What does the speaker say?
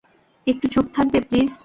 একটু চুপ থাকবে, প্লিজ?